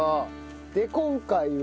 で今回は。